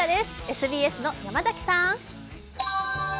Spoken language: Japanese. ＳＢＳの山崎さん。